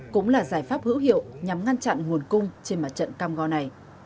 cũng là giải pháp hữu hiệu nhằm ngăn chặn nguồn cung trên mặt trận cam go này